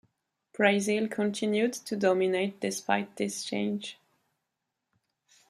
Brazil continued to dominate, despite this change.